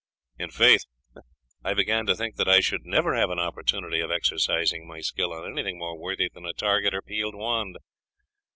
In faith, I began to think that I should never have an opportunity of exercising my skill on anything more worthy than a target or peeled wand.